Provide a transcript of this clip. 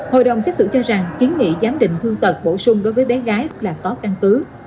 hội đồng xét xử cho rằng kiến nghị giám định thương tật bổ sung đối với bé gái là có căn cứ